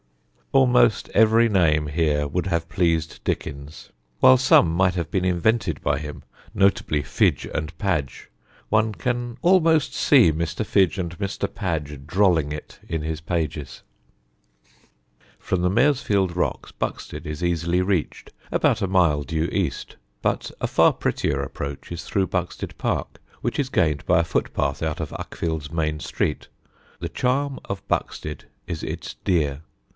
Almost every name here would have pleased Dickens, while some might have been invented by him, notably Fidge and Padge. One can almost see Mr. Fidge and Mr. Padge drolling it in his pages. [Sidenote: BUXTED DEER] From the Maresfield rocks Buxted is easily reached, about a mile due east; but a far prettier approach is through Buxted Park, which is gained by a footpath out of Uckfield's main street. The charm of Buxted is its deer.